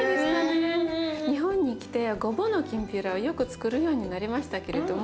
日本に来てごぼうのきんぴらをよくつくるようになりましたけれどもね。